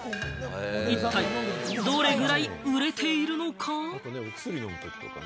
一体どれぐらい売れているのか？